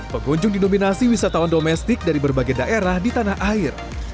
pengunjung didominasi wisatawan domestik dari berbagai daerah di tanah air